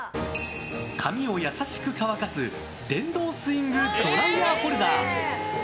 髪を優しく乾かす電動スイングドライヤーホルダー。